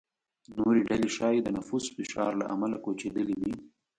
نورې ډلې ښايي د نفوس فشار له امله کوچېدلې وي.